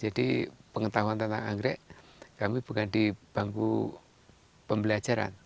jadi pengetahuan tentang anggrek kami bukan di bangku pembelajaran